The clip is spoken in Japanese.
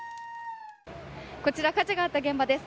こちら、火事があった現場です。